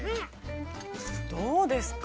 どうですか。